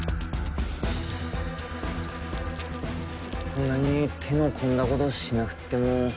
こんなに手の込んだことしなくても。